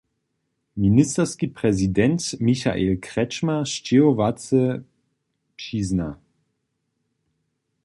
Ministerski prezident Michael Kretschmer sćěhowace přizna.